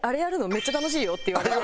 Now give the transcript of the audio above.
めっちゃ楽しいよ」って言われて。